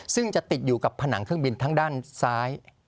ซึ่งจะติดอยู่กับผนังเครื่องบินทั้งด้านซ้าย